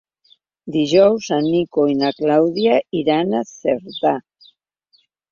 Dijous en Nico i na Clàudia iran a Cerdà.